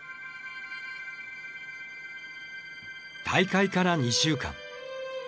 大会から２週間。